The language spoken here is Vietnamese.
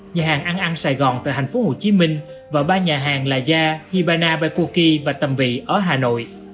nhà hàng ăn ăn sài gòn tại thành phố hồ chí minh và ba nhà hàng là gia hibana baikoki và tâm vị ở hà nội